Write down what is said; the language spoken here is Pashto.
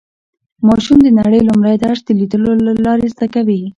ماشوم د نړۍ لومړی درس د لیدلو له لارې زده کوي